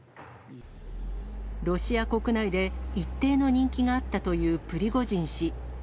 ロシア国内で一定の人気があったというプリゴジン氏。